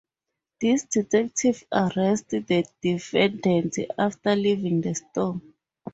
This detective arrests the defendant after leaving the store.